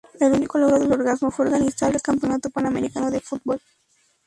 El único logro del organismo fue organizar el Campeonato Panamericano de Fútbol.